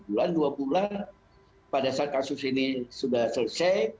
jadi pada saat kasus ini selesai